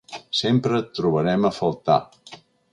Sempre et trobarem a faltar.